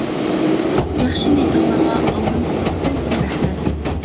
ياخشى نىيىتىڭلارغا ئالدىن قۇرۇق بولسىمۇ رەھمەت!